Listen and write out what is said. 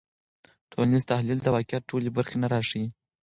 ټولنیز تحلیل د واقعیت ټولې برخې نه راښيي.